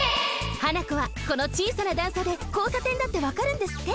ハナコはこのちいさな段差でこうさてんだってわかるんですって！